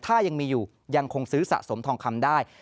ถ้ายังมีอยู่ยังคงซื้อสะสมทองคำได้